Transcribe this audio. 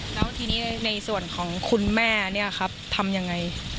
แล้วทีนี้ในส่วนของคุณแม่เนี่ยครับทำยังไง